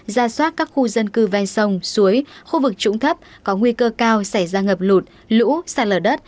ra soát các khu dân cư ven sông suối khu vực trũng thấp có nguy cơ cao xảy ra ngập lụt lũ sạt lở đất